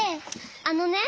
あのね。